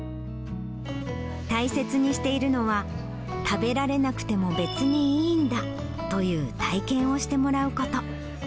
大切にしているのは、食べられなくても別にいいんだという体験をしてもらうこと。